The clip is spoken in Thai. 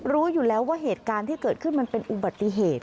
รู้อยู่แล้วว่าเหตุการณ์ที่เกิดขึ้นมันเป็นอุบัติเหตุ